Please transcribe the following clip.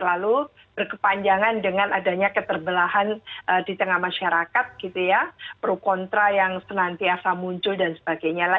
lalu berkepanjangan dengan adanya keterbelahan di tengah masyarakat gitu ya pro kontra yang senantiasa muncul dan sebagainya lah